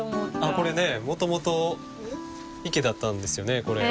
これねもともと池だったんですよねこれ。